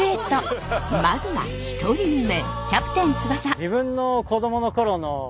まずは１人目。